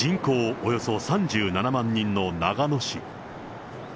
およそ３７万人の長野市。